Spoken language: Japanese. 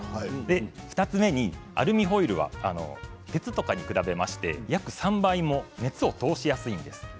２つ目、アルミホイルは鉄に比べまして約３倍も熱を通しやすいんです。